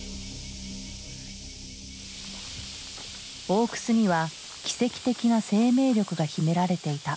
大くすには奇跡的な生命力が秘められていた。